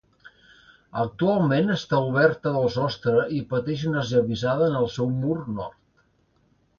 Actualment està oberta del sostre i pateix una esllavissada en el seu mur nord.